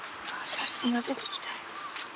写真が出てきたよ。